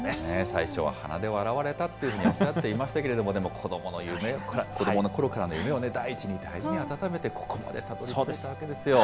最初は鼻で笑われたというふうにおっしゃっていましたけれども、子どものころからの夢をね、大事に大事に温めてここまでたどりついたわけですよ。